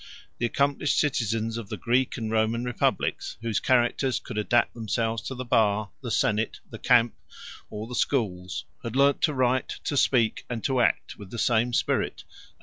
The accomplished citizens of the Greek and Roman republics, whose characters could adapt themselves to the bar, the senate, the camp, or the schools, had learned to write, to speak, and to act with the same spirit, and with equal abilities.